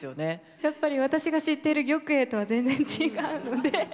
やっぱり私が知ってる玉栄とは全然違うので。